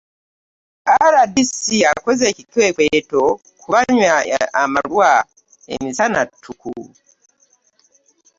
RDC akoze ekikwekweto ku banywa amalwa emisana ttuku.